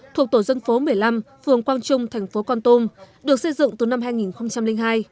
thuộc tổ dân phố một mươi năm phường quang trung thành phố con tum được xây dựng từ năm hai nghìn hai